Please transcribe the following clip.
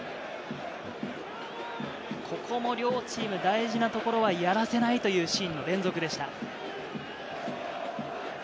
ここも両チーム、大事なところはやらせないというシーンの連続でした。